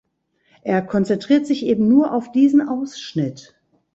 Er konzentriert sich eben nur auf diesen Ausschnitt.